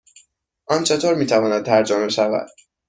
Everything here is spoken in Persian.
آن چطور می تواند ترجمه شود؟